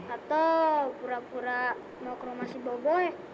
atau kura kura mau ke rumah si boboi